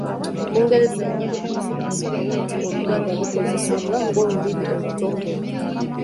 Bungereza yali emaze okusalawo nti Oluganda lukozesebwe ng'olulimi olutongole.